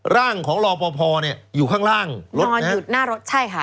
ร่างของรอปภเนี่ยอยู่ข้างล่างรถนอนอยู่หน้ารถใช่ค่ะ